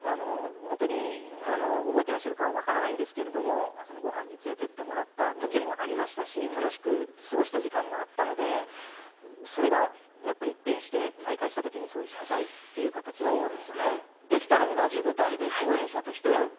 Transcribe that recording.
本当に、覚えてらっしゃるかは分からないんですけれども、ごはんに連れてってもらったときもありましたし、楽しく過ごした時間もあったので、それがやっぱり一変して、再会してそういう謝罪っていう形だったので。